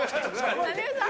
有吉さん